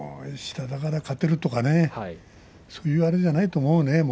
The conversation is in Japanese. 下だから勝てるとかそういうあれじゃないと思うね